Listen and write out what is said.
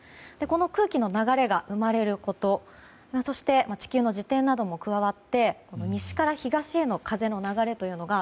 この空気の流れが生まれることそして地球の自転なども加わって西から東への風の流れというのが